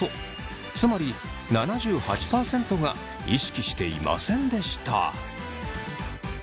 つまり７８％が意識していませんでした。